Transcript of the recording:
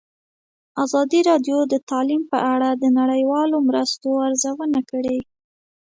ازادي راډیو د تعلیم په اړه د نړیوالو مرستو ارزونه کړې.